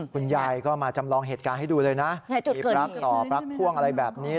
คุณยายก็มาจำลองเหตุการณ์ให้ดูเลยนะมีปลั๊กต่อปลั๊กพ่วงอะไรแบบนี้